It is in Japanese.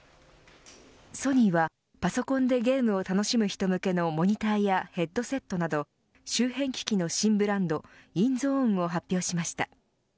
ソニーはパソコンでゲームを楽しむ人向けのモニターやヘッドセットなど周辺機器の新ブランドＩＮＺＯＮＥを発表しました。